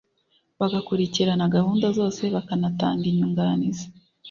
bagakurikirana gahunda zose bakanatanga inyunganizi